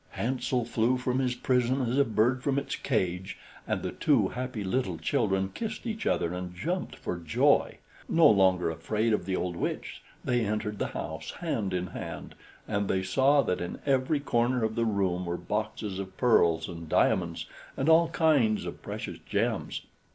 Hansel flew from his prison as a bird from its cage, and the two happy little children kissed each other and jumped for joy. No longer afraid of the old witch, they entered the house, hand in hand, and then they saw that in every corner of the room were boxes of pearls and diamonds, and all kinds of precious gems.